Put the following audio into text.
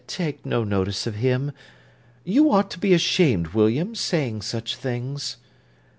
Take no notice of him. You ought to be ashamed, William, saying such things."